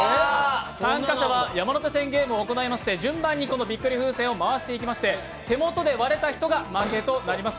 参加者は山手線ゲームを行いまして順番にこのびっくり風船を回していきまして、手元で割れた人が負けとなります。